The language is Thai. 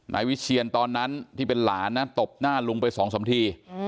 นายวิเชียนตอนนั้นที่เป็นหลานนะตบหน้าลุงไปสองสามที